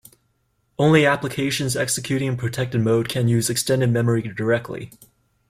Only applications executing in protected mode can use extended memory directly.